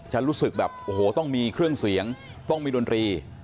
รู้สึกแบบโอ้โหต้องมีเครื่องเสียงต้องมีดนตรี